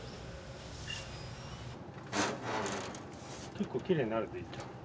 結構きれいになるねいっちゃん。